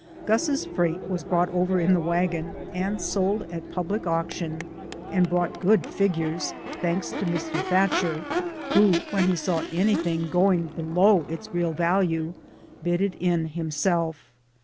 Gus's freight was brought over in the wagon and sold at public auction and brought good figures, thanks to Mr. That cher, who, when he saw anything going be low its real value, bid it in himself.